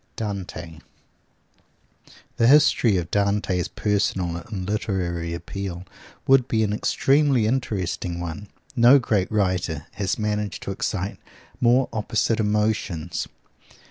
DANTE The history of Dante's personal and literary appeal would be an extremely interesting one. No great writer has managed to excite more opposite emotions.